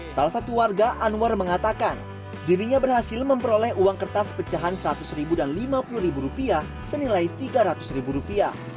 salah satu warga anwar mengatakan dirinya berhasil memperoleh uang kertas pecahan rp seratus dan rp lima puluh senilai rp tiga ratus